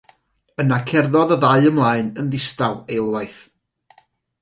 Yna cerddodd y ddau ymlaen yn ddistaw eilwaith.